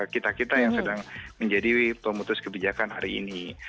kita kita yang sedang menjadi pemutus kebijakan hari ini